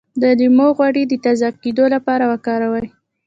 د لیمو غوړي د تازه کیدو لپاره وکاروئ